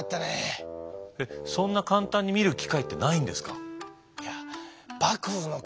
そんな簡単に見る機会ってないんですか？